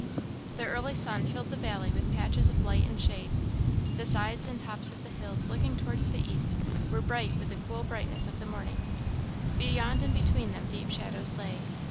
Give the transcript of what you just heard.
The early sun filled the valley with patches of light and shade. The sides and tops of the hills looking towards the east were bright with the cool brightness of the morning; beyond and between them deep shadows lay.